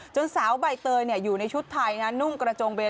สาวใบเตยอยู่ในชุดไทยนุ่งกระจงเวร